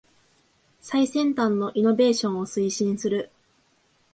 最先端のイノベーションを推進する